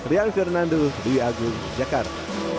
rian fyodanandu dewi agung jakarta